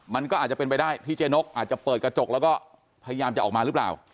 มันก็อาจจะเป็นไปได้ที่เจ๊นกอาจจะเปิดกระจกแล้วก็พยายามจะออกมาหรือเปล่า